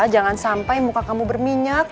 jangan sampai muka kamu berminyak